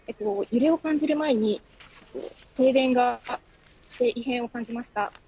揺れを感じる前に停電があり異変を感じました。